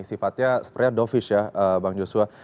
sifatnya sebenarnya dovis ya bang joshua